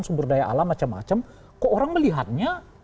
sumber daya alam macam macam kok orang melihatnya